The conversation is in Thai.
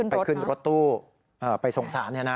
ไปขึ้นรถตู้ไปส่งสารนี้นะ